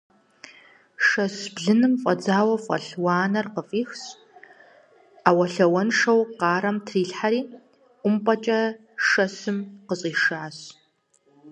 Шэщ блыным фӀэдзауэ фӀэлъ уанэр къыфӀихщ, Ӏэуэлъауэншэу къарэм трилъхьэри ӀумпӀэкӀэ шэщым къыщӀишащ.